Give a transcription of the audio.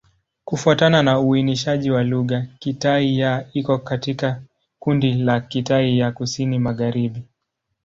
Kufuatana na uainishaji wa lugha, Kitai-Ya iko katika kundi la Kitai ya Kusini-Magharibi.